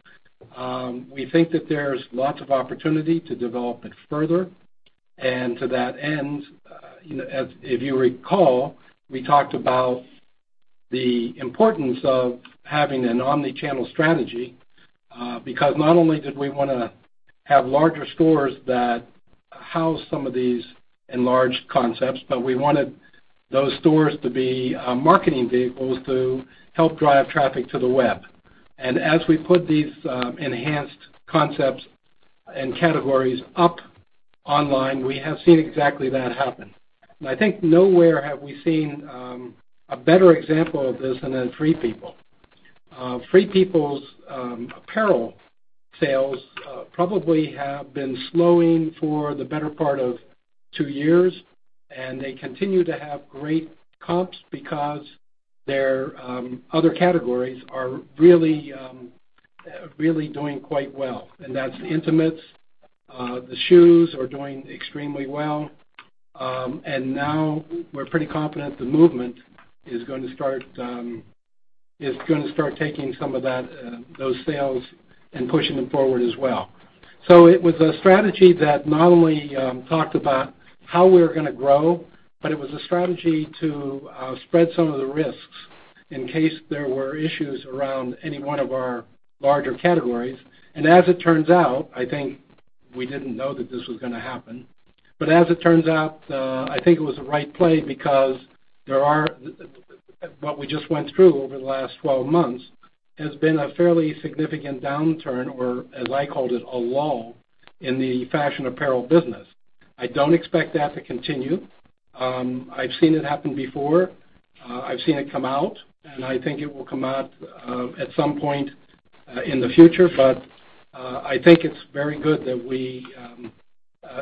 We think that there's lots of opportunity to develop it further. To that end, if you recall, we talked about the importance of having an omni-channel strategy because not only did we want to have larger stores that house some of these enlarged concepts, but we wanted those stores to be marketing vehicles to help drive traffic to the web. As we put these enhanced concepts and categories up online, we have seen exactly that happen. I think nowhere have we seen a better example of this than in Free People. Free People's apparel sales probably have been slowing for the better part of 2 years, they continue to have great comps because their other categories are really doing quite well. That's the intimates. The shoes are doing extremely well. Now we're pretty confident the movement is going to start taking some of those sales and pushing them forward as well. It was a strategy that not only talked about how we're going to grow, but it was a strategy to spread some of the risks in case there were issues around any one of our larger categories. As it turns out, I think we didn't know that this was going to happen. As it turns out, I think it was the right play because what we just went through over the last 12 months has been a fairly significant downturn, or as I called it, a lull, in the fashion apparel business. I don't expect that to continue. I've seen it happen before. I've seen it come out, I think it will come out at some point in the future. I think it's very good that we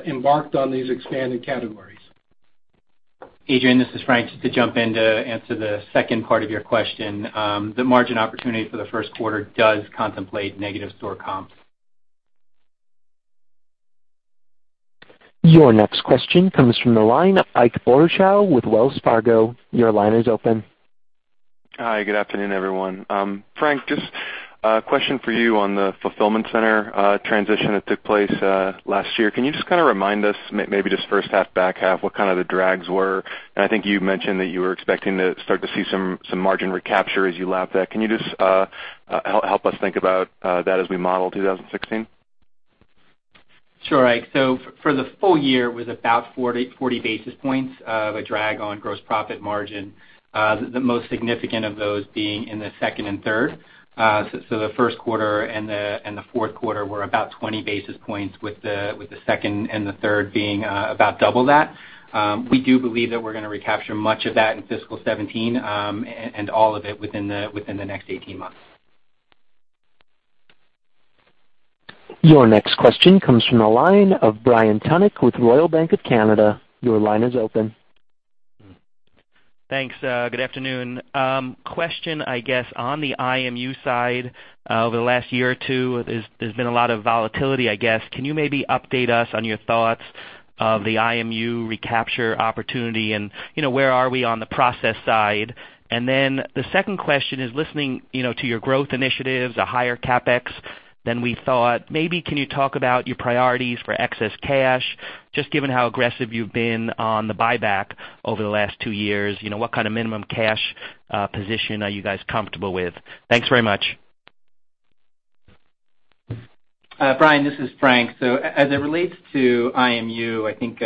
embarked on these expanded categories. Adrienne, this is Frank. Just to jump in to answer the second part of your question. The margin opportunity for the first quarter does contemplate negative store comps. Your next question comes from the line of Ike Boruchow with Wells Fargo. Your line is open. Hi. Good afternoon, everyone. Frank, just a question for you on the fulfillment center transition that took place last year. Can you just remind us, maybe just first half, back half, what the drags were? I think you mentioned that you were expecting to start to see some margin recapture as you lap that. Can you just help us think about that as we model 2016? Sure, Ike. For the full year, it was about 40 basis points of a drag on gross profit margin. The most significant of those being in the second and third. The first quarter and the fourth quarter were about 20 basis points with the second and the third being about double that. We do believe that we're going to recapture much of that in fiscal 2017, and all of it within the next 18 months. Your next question comes from the line of Brian Tunick with Royal Bank of Canada. Your line is open. Thanks. Good afternoon. Question, I guess, on the IMU side. Over the last year or two, there's been a lot of volatility, I guess. Can you maybe update us on your thoughts of the IMU recapture opportunity and where are we on the process side? The second question is listening to your growth initiatives, a higher CapEx than we thought. Maybe can you talk about your priorities for excess cash, just given how aggressive you've been on the buyback over the last two years. What kind of minimum cash position are you guys comfortable with? Thanks very much. Brian, this is Frank. As it relates to IMU, I think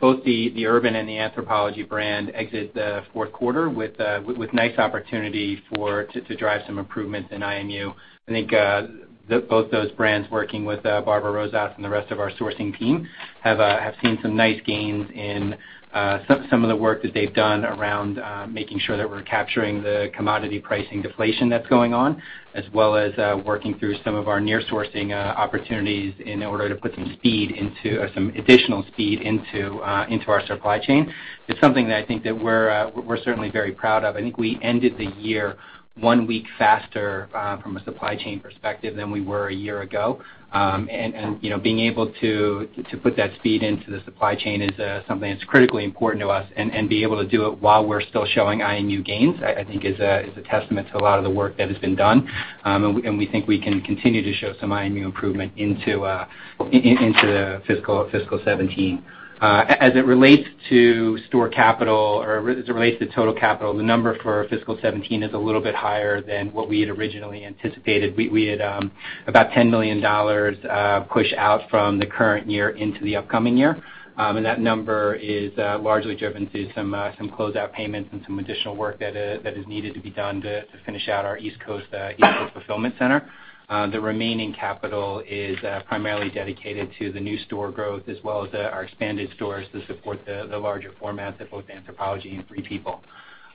both the Urban and the Anthropologie brand exit the fourth quarter with nice opportunity to drive some improvements in IMU. I think both those brands, working with Barbara Rosato and the rest of our sourcing team, have seen some nice gains in some of the work that they've done around making sure that we're capturing the commodity pricing deflation that's going on, as well as working through some of our near sourcing opportunities in order to put some additional speed into our supply chain. It's something that I think that we're certainly very proud of. I think we ended the year one week faster from a supply chain perspective than we were a year ago. Being able to put that speed into the supply chain is something that's critically important to us, and be able to do it while we're still showing IMU gains, I think, is a testament to a lot of the work that has been done. We think we can continue to show some IMU improvement into the fiscal 2017. As it relates to store capital or as it relates to total capital, the number for fiscal 2017 is a little bit higher than what we had originally anticipated. We had about $10 million push out from the current year into the upcoming year, and that number is largely driven through some closeout payments and some additional work that is needed to be done to finish out our East Coast fulfillment center. The remaining capital is primarily dedicated to the new store growth as well as our expanded stores to support the larger formats at both Anthropologie and Free People.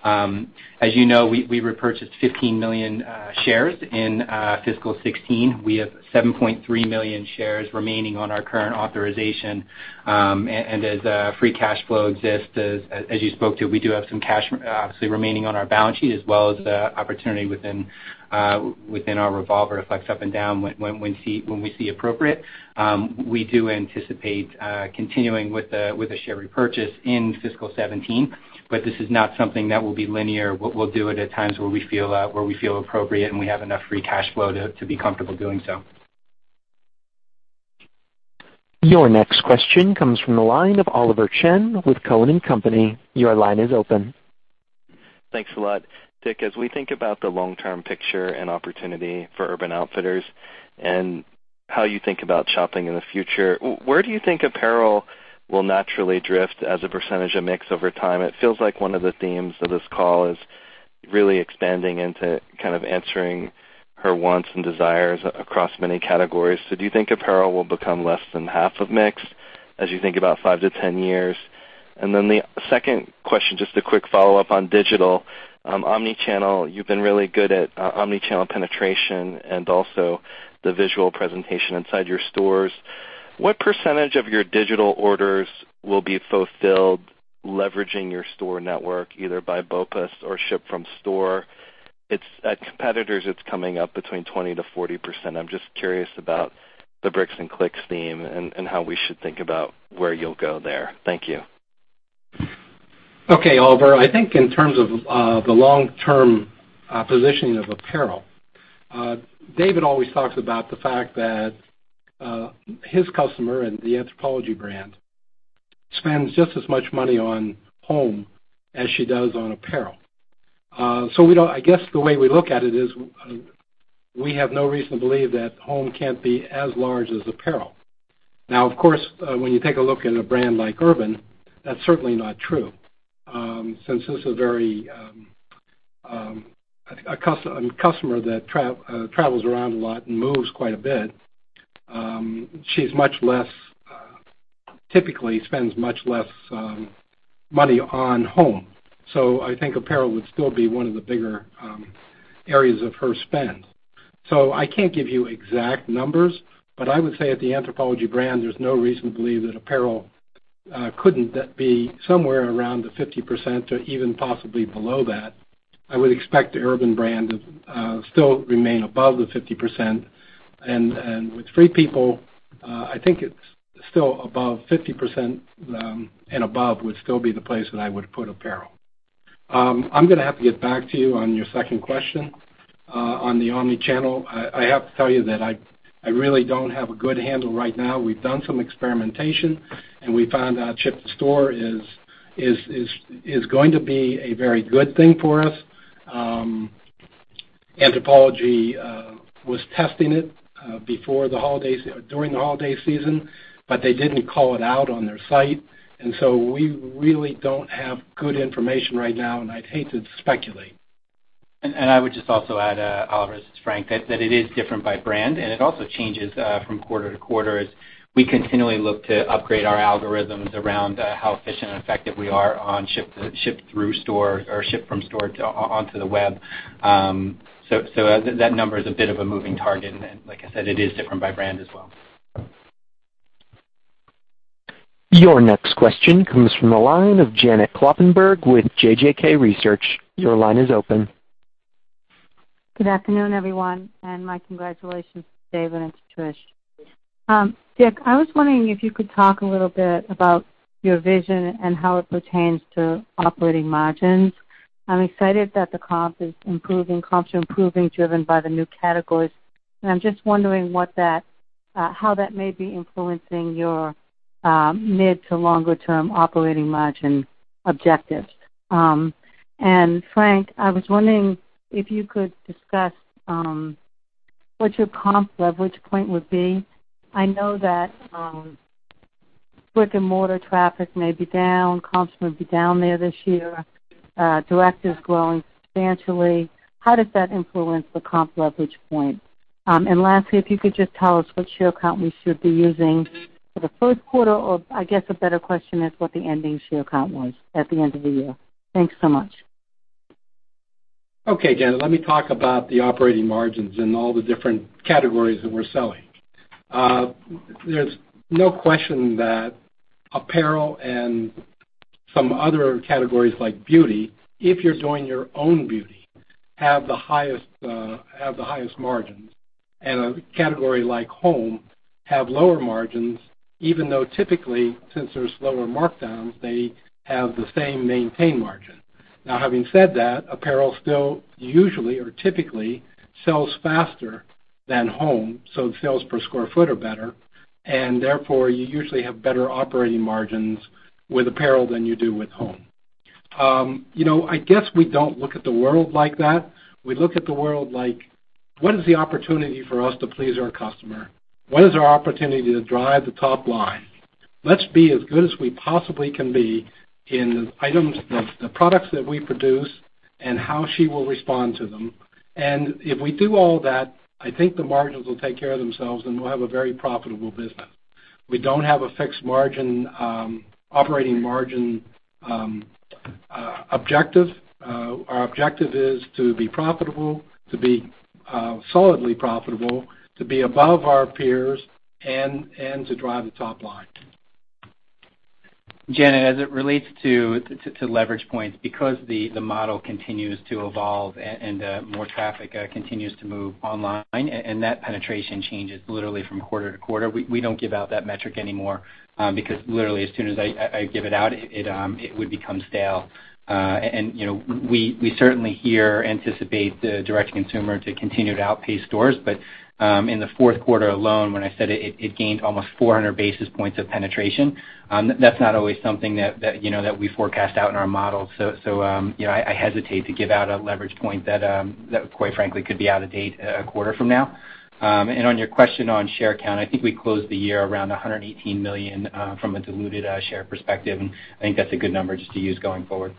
As you know, we repurchased 15 million shares in fiscal 2016. We have 7.3 million shares remaining on our current authorization. As free cash flow exists, as you spoke to, we do have some cash obviously remaining on our balance sheet as well as the opportunity within our revolver. It flex up and down when we see appropriate. We do anticipate continuing with the share repurchase in fiscal 2017. This is not something that will be linear. We'll do it at times where we feel appropriate, and we have enough free cash flow to be comfortable doing so. Your next question comes from the line of Oliver Chen with Cowen and Company. Your line is open. Thanks a lot. Dick, as we think about the long-term picture and opportunity for Urban Outfitters and how you think about shopping in the future, where do you think apparel will naturally drift as a percentage of mix over time? It feels like one of the themes of this call is really expanding into kind of answering her wants and desires across many categories. Do you think apparel will become less than half of mix as you think about 5 to 10 years? The second question, just a quick follow-up on digital. Omnichannel. You've been really good at omnichannel penetration and also the visual presentation inside your stores. What percentage of your digital orders will be fulfilled leveraging your store network, either by BOPUS or ship from store? At competitors, it's coming up between 20%-40%. I'm just curious about the bricks and clicks theme and how we should think about where you'll go there. Thank you. Okay. Oliver, I think in terms of the long-term positioning of apparel, David always talks about the fact that his customer and the Anthropologie brand spends just as much money on home as she does on apparel. I guess the way we look at it is we have no reason to believe that home can't be as large as apparel. Now, of course, when you take a look at a brand like Urban, that's certainly not true. Since this is a customer that travels around a lot and moves quite a bit, she typically spends much less money on home. I think apparel would still be one of the bigger areas of her spend. I can't give you exact numbers, but I would say at the Anthropologie brand, there's no reason to believe that apparel couldn't be somewhere around the 50% or even possibly below that. I would expect the Urban brand to still remain above the 50%, and with Free People, I think it's still above 50%, and above would still be the place that I would put apparel. I'm going to have to get back to you on your second question on the omnichannel. I have to tell you that I really don't have a good handle right now. We've done some experimentation, and we found out ship to store is going to be a very good thing for us. Anthropologie was testing it during the holiday season, but they didn't call it out on their site, so we really don't have good information right now, and I'd hate to speculate. I would just also add, Oliver, this is Frank, that it is different by brand, and it also changes from quarter to quarter as we continually look to upgrade our algorithms around how efficient and effective we are on ship from store onto the web. That number is a bit of a moving target, and like I said, it is different by brand as well. Your next question comes from the line of Janet Kloppenburg with JJK Research. Your line is open. Good afternoon, everyone, my congratulations to David and to Trish. Dick, I was wondering if you could talk a little bit about your vision and how it pertains to operating margins. I'm excited that the comp is improving, comps are improving driven by the new categories, I'm just wondering how that may be influencing your mid to longer-term operating margin objectives. Frank, I was wondering if you could discuss what your comp leverage point would be. I know that brick-and-mortar traffic may be down, comps may be down there this year. Direct is growing substantially. How does that influence the comp leverage point? Lastly, if you could just tell us what share count we should be using for the first quarter, or I guess a better question is what the ending share count was at the end of the year. Thanks so much. Okay, Janet, let me talk about the operating margins in all the different categories that we're selling. There's no question that apparel and some other categories like beauty, if you're doing your own beauty, have the highest margins, and a category like home have lower margins, even though typically, since there's lower markdowns, they have the same maintained margin. Having said that, apparel still usually or typically sells faster than home, sales per square foot are better, therefore, you usually have better operating margins with apparel than you do with home. I guess we don't look at the world like that. We look at the world like, what is the opportunity for us to please our customer? What is our opportunity to drive the top line? If we do all that, I think the margins will take care of themselves, and we'll have a very profitable business. We don't have a fixed margin, operating margin objective. Our objective is to be profitable, to be solidly profitable, to be above our peers, and to drive the top line. Janet, as it relates to leverage points, because the model continues to evolve and more traffic continues to move online, and that penetration changes literally from quarter to quarter. We don't give out that metric anymore because literally as soon as I give it out, it would become stale. We certainly here anticipate the direct consumer to continue to outpace stores. In the fourth quarter alone, when I said it gained almost 400 basis points of penetration, that's not always something that we forecast out in our model. I hesitate to give out a leverage point that, quite frankly, could be out of date a quarter from now. On your question on share count, I think we closed the year around 118 million from a diluted share perspective, and I think that's a good number just to use going forward.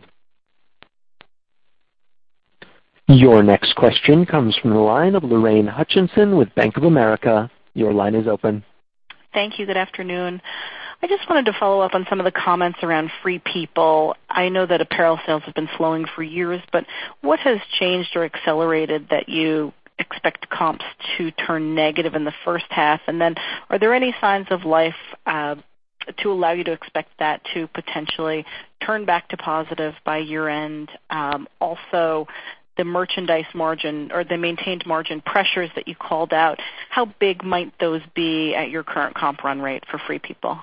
Your next question comes from the line of Lorraine Hutchinson with Bank of America. Your line is open. Thank you. Good afternoon. I just wanted to follow up on some of the comments around Free People. I know that apparel sales have been slowing for years, but what has changed or accelerated that you expect comps to turn negative in the first half? Are there any signs of life to allow you to expect that to potentially turn back to positive by year-end? Also, the merchandise margin or the maintained margin pressures that you called out, how big might those be at your current comp run rate for Free People?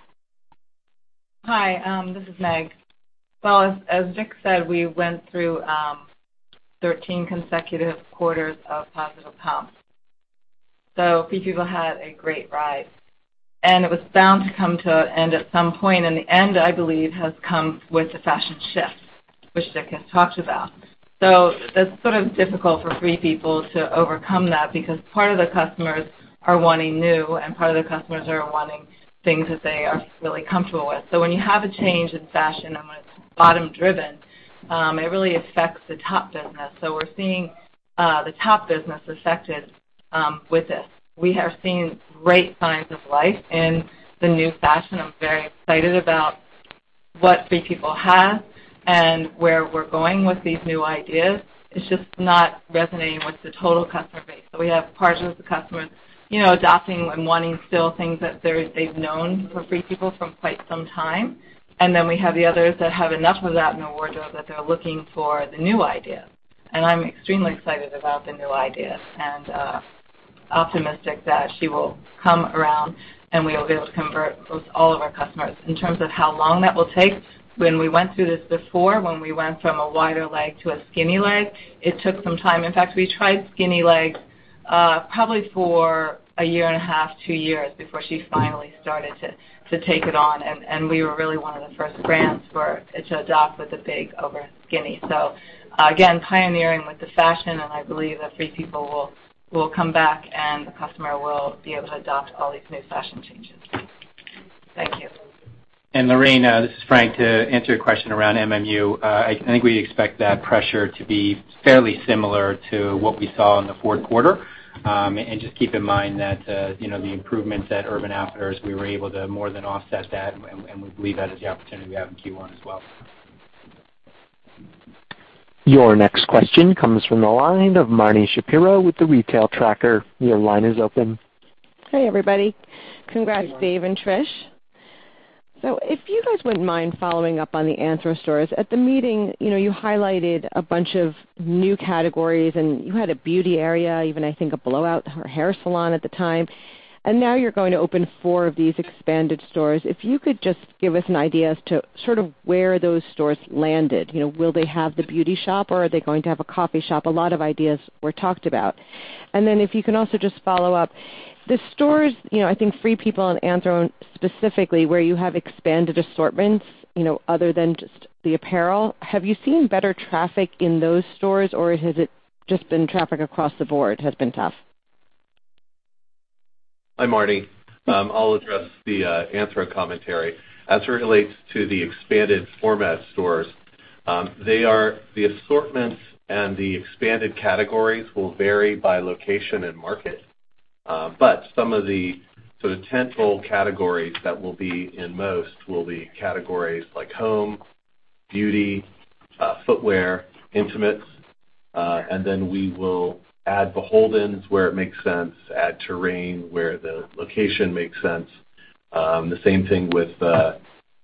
Hi, this is Meg. As Dick said, we went through 13 consecutive quarters of positive comps. Free People had a great ride, it was bound to come to an end at some point, the end, I believe, has come with a fashion shift. Which Dick has talked about. That's sort of difficult for Free People to overcome that, because part of the customers are wanting new, part of the customers are wanting things that they are really comfortable with. When you have a change in fashion and when it's bottom-driven, it really affects the top business. We're seeing the top business affected with this. We have seen great signs of life in the new fashion. I'm very excited about what Free People has and where we're going with these new ideas. It's just not resonating with the total customer base. We have part of the customers adopting and wanting still things that they've known for Free People for quite some time. We have the others that have enough of that in their wardrobe that they're looking for the new idea. I'm extremely excited about the new idea and optimistic that she will come around, we'll be able to convert almost all of our customers. In terms of how long that will take, when we went through this before, when we went from a wider leg to a skinny leg, it took some time. In fact, we tried skinny legs probably for a year and a half, two years before she finally started to take it on. We were really one of the first brands to adopt with the big over skinny. Again, pioneering with the fashion, I believe that Free People will come back, the customer will be able to adopt all these new fashion changes. Thank you. Lorraine, this is Frank. To answer your question around MMU, I think we expect that pressure to be fairly similar to what we saw in the fourth quarter. Just keep in mind that the improvements at Urban Outfitters, we were able to more than offset that, we believe that is the opportunity we have in Q1 as well. Your next question comes from the line of Marni Shapiro with The Retail Tracker. Your line is open. Hey, everybody. Congrats, Dave and Trish. If you guys wouldn't mind following up on the Anthro stores. At the meeting, you highlighted a bunch of new categories, and you had a beauty area, even, I think, a blowout or hair salon at the time. Now you're going to open four of these expanded stores. If you could just give us an idea as to sort of where those stores landed. Will they have the beauty shop, or are they going to have a coffee shop? A lot of ideas were talked about. If you can also just follow up. The stores, I think Free People and Anthro specifically, where you have expanded assortments, other than just the apparel, have you seen better traffic in those stores, or has it just been traffic across the board has been tough? Hi, Marni. I'll address the Anthro commentary. As it relates to the expanded format stores, the assortments and the expanded categories will vary by location and market. Some of the sort of tent pole categories that will be in most will be categories like home, beauty, footwear, intimates, and then we will add BHLDN where it makes sense, add Terrain where the location makes sense. The same thing with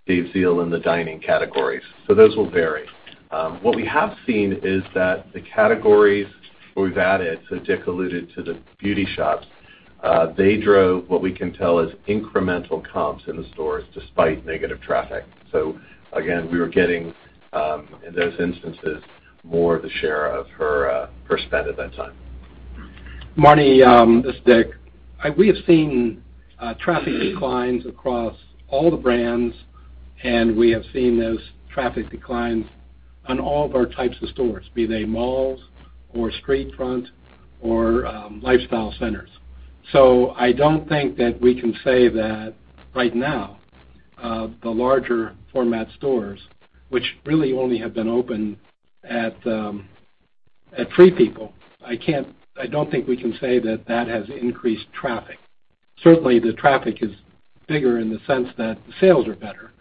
[Dave's Deal] and the dining categories. Those will vary. What we have seen is that the categories we've added, Dick alluded to the beauty shops, they drove what we can tell is incremental comps in the stores despite negative traffic. Again, we were getting, in those instances, more of the share of her spend at that time. Marni, this is Dick. We have seen traffic declines across all the brands, and we have seen those traffic declines on all of our types of stores, be they malls or street front or lifestyle centers. I don't think that we can say that right now, the larger format stores, which really only have been open at Free People, I don't think we can say that that has increased traffic. Certainly, the traffic is bigger in the sense that the sales are better.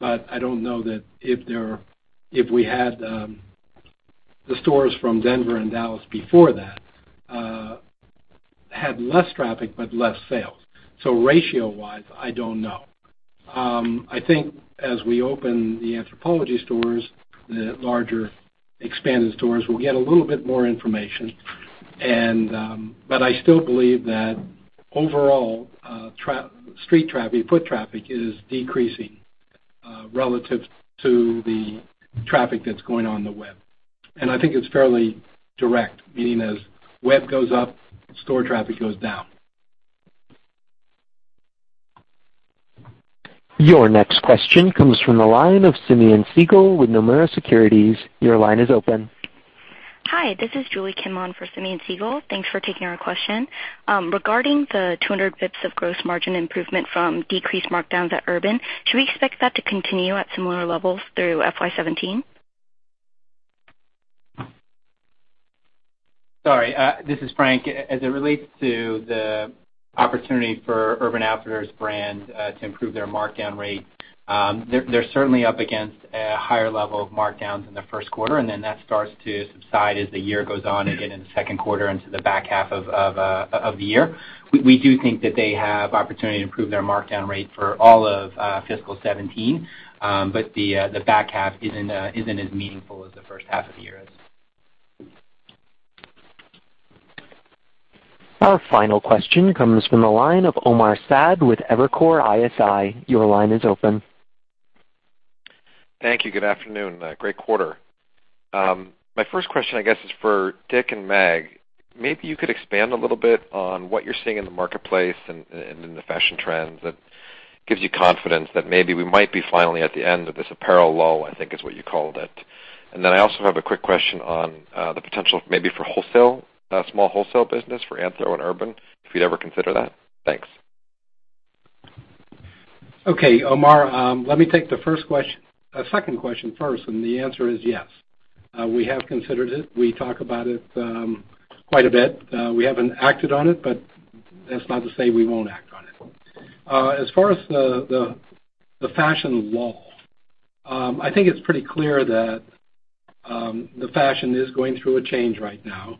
I don't know that if we had the stores from Denver and Dallas before that had less traffic but less sales. Ratio wise, I don't know. I think as we open the Anthropologie stores, the larger expanded stores, we'll get a little bit more information. I still believe that overall street traffic, foot traffic, is decreasing relative to the traffic that's going on the web. I think it's fairly direct, meaning as web goes up, store traffic goes down. Your next question comes from the line of Simeon Siegel with Nomura Securities. Your line is open. Hi. This is Julie Kim on for Simeon Siegel. Thanks for taking our question. Regarding the 200 basis points of gross margin improvement from decreased markdowns at Urban, should we expect that to continue at similar levels through FY 2017? Sorry. This is Frank. As it relates to the opportunity for Urban Outfitters brands to improve their markdown rate, they're certainly up against a higher level of markdowns in the first quarter, and then that starts to subside as the year goes on and get into the second quarter into the back half of the year. We do think that they have opportunity to improve their markdown rate for all of fiscal 2017. The back half isn't as meaningful as the first half of the year is. Our final question comes from the line of Omar Saad with Evercore ISI. Your line is open. Thank you. Good afternoon. Great quarter. My first question, I guess, is for Dick and Meg. Maybe you could expand a little bit on what you're seeing in the marketplace and in the fashion trends that gives you confidence that maybe we might be finally at the end of this apparel lull, I think is what you called it. I also have a quick question on the potential maybe for small wholesale business for Anthro and Urban, if you'd ever consider that. Thanks. Okay, Omar. Let me take the second question first. The answer is yes. We have considered it. We talk about it quite a bit. That's not to say we won't act on it. As far as the fashion lull, I think it's pretty clear that the fashion is going through a change right now.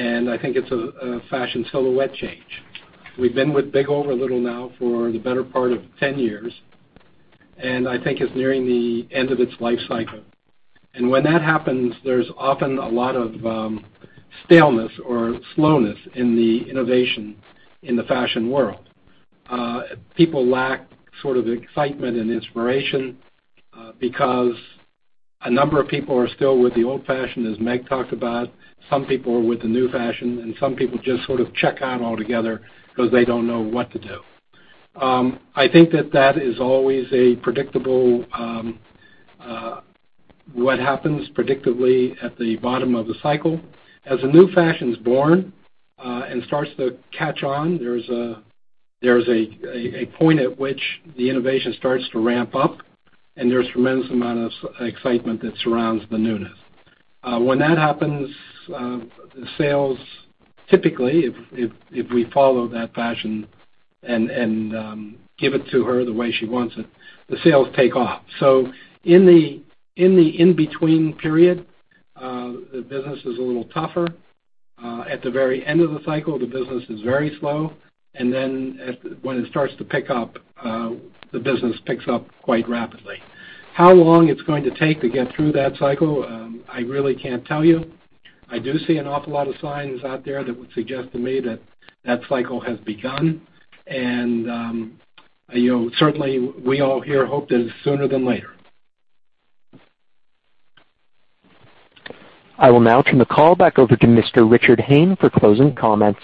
I think it's a fashion silhouette change. We've been with big over little now for the better part of 10 years, and I think it's nearing the end of its life cycle. When that happens, there's often a lot of staleness or slowness in the innovation in the fashion world. People lack sort of excitement and inspiration because a number of people are still with the old fashion, as Meg talked about. Some people are with the new fashion. Some people just sort of check out altogether because they don't know what to do. I think that that is always what happens predictably at the bottom of the cycle. A new fashion's born and starts to catch on, there's a point at which the innovation starts to ramp up, and there's tremendous amount of excitement that surrounds the newness. When that happens, sales typically, if we follow that fashion and give it to her the way she wants it, the sales take off. In the in-between period, the business is a little tougher. At the very end of the cycle, the business is very slow. When it starts to pick up, the business picks up quite rapidly. How long it's going to take to get through that cycle, I really can't tell you. I do see an awful lot of signs out there that would suggest to me that that cycle has begun. Certainly, we all here hope that it's sooner than later. I will now turn the call back over to Mr. Richard Hayne for closing comments.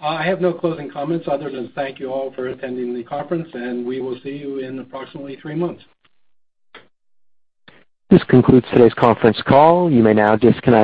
I have no closing comments other than thank you all for attending the conference. We will see you in approximately three months. This concludes today's conference call. You may now disconnect.